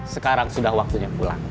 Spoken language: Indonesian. sekarang sudah waktunya pulang